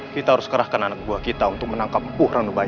kita harus kerahkan anak buah kita untuk menangkap buah ranubaya